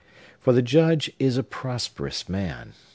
For the Judge is a prosperous man.